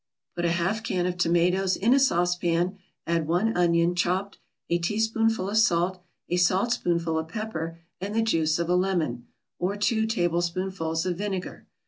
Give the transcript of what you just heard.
Put a half can of tomatoes in a saucepan, add one onion, chopped, a teaspoonful of salt, a saltspoonful of pepper and the juice of a lemon, or two tablespoonfuls of vinegar.